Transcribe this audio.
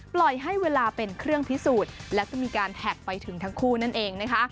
ปล่อยให้เวลาเป็นเครื่องพิสูจน์และก็มีการแท็กไปถึงทั้งคู่นั่นเองนะคะ